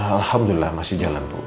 alhamdulillah masih jalan bu